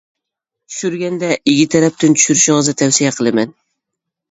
چۈشۈرگەندە ئىگە تەرەپتىن چۈشۈرۈشىڭىزنى تەۋسىيە قىلىمەن.